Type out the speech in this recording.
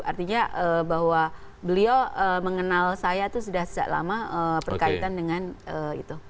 artinya bahwa beliau mengenal saya itu sudah sejak lama berkaitan dengan itu